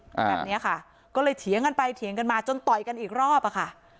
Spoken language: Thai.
แบบเนี้ยค่ะก็เลยเถียงกันไปเถียงกันมาจนต่อยกันอีกรอบอ่ะค่ะ